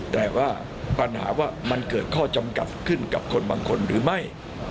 แต่ว่าปัญหาว่ามันเกิดข้อจำกัดขึ้นกับคนบางคนหรือไม่